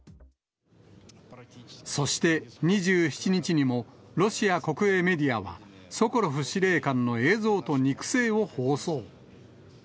そして、２７日にも、ロシア国営メディアは、ソコロフ司令官の映像と肉声を放送。